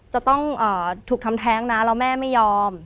จะต้องถูกทำแท้งนะแล้วแม่ไม่ยอม